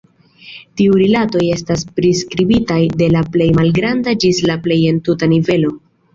Tiuj rilatoj estas priskribitaj de la plej malgranda ĝis la plej entuta nivelo.